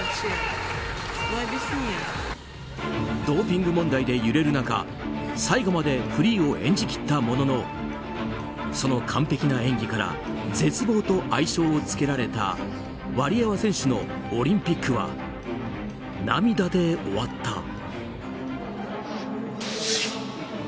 ドーピング問題で揺れる中最後までフリーを演じきったもののその完璧な演技から「絶望」と愛称をつけられたワリエワ選手のオリンピックは涙で終わった。